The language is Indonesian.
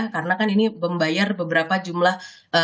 karena kan ini membayar beberapa jumlah